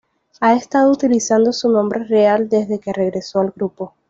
Ha estado utilizando su nombre real desde que regresó al grupo.